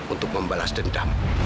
untuk membalas dendam